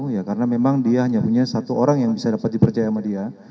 ya karena memang dia hanya punya satu orang yang bisa dapat dipercaya sama dia